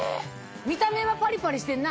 見た目はパリパリしてんな！